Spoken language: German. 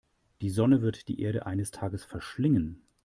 Die Sonne wird die Erde eines Tages verschlingen.